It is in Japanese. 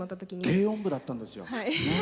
軽音部だったんですよ。